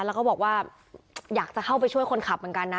แล้วก็บอกว่าอยากจะเข้าไปช่วยคนขับเหมือนกันนะ